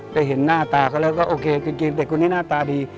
เห็นหน้าตาเขาแล้วก็โอเคจริงเด็กคนนี้หน้าตาดี